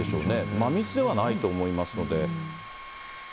真水ではないと思いますので。